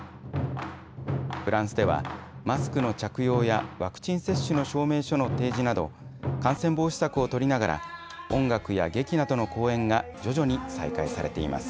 フランスではマスクの着用やワクチン接種の証明書の提示など、感染防止策を取りながら音楽や劇などの公演が徐々に再開されています。